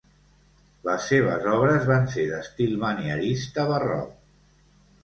Les seves obres van ser d'estil manierista- barroc.